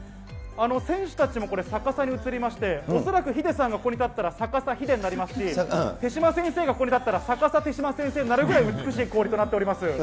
選手たちもこれ、逆さに映りまして、恐らくヒデさんがここに立ったら、逆さヒデになりますし、手嶋先生がここに立ったら、逆さ手嶋先生になるぐらい美しい氷となっております。